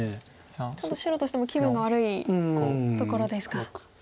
白としても気分が悪いところですか。